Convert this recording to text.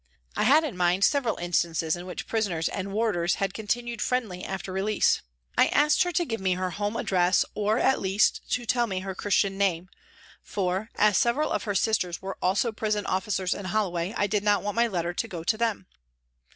I had in mind several instances in which prisoners and warders had continued friendly after release. I asked her to give me her home address or, at least, to tell me her Christian name, for, as several of her sisters were also prison officers in Holloway, I did not want my letter to go to them.